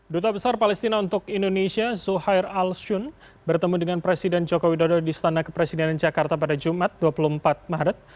duta besar palestina untuk indonesia zuhair al shun bertemu dengan presiden joko widodo di stana kepresidenan jakarta pada jumat dua puluh empat maret